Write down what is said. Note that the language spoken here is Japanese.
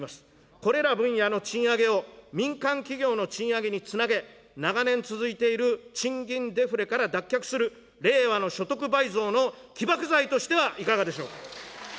これら分野の賃上げを民間企業の賃上げにつなげ、長年続いている賃金デフレから脱却する令和の所得倍増の起爆剤としてはいかがでしょうか。